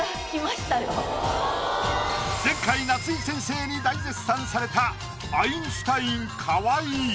前回夏井先生に大絶賛されたアインシュタイン河井。